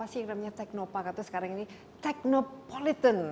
sekarang ini teknopolitan